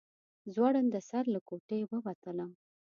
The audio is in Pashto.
زوړنده سر له کوټې ووتلم.